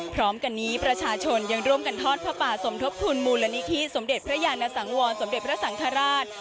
พร้อมกันนี้ประชาชนยังร่วมกันทอดพระป่าสมทบทุนมูลนิธิสมเด็จพระยานสังวรสมเด็จพระสังฆราช